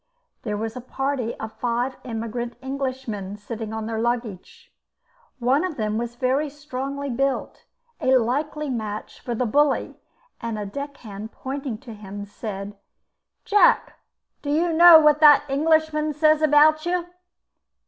There was a party of five immigrant Englishmen sitting on their luggage. One of them was very strongly built, a likely match for the bully, and a deck hand pointing to him said: "Jack, do you know what that Englishman says about you?"